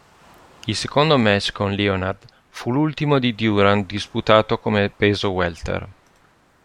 Il secondo match con Leonard fu l'ultimo di Duran disputato, come peso welter.